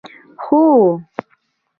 هو.